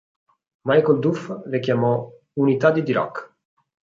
Michael Duff le chiamò "unità di Dirac".